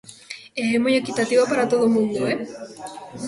E é moi equitativo para todo o mundo, ¡eh!